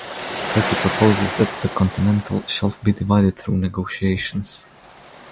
Turkey proposes that the continental shelf be divided through negotiations.